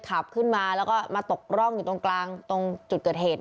ก็ขับมามาตกร่องตรงกลางจุดเกิดเหตุ